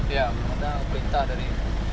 ya memang ada perintah dari